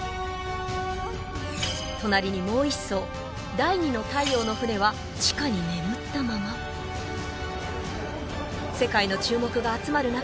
隣にもう一艘第二の太陽の船は地下に眠ったまま世界の注目が集まる中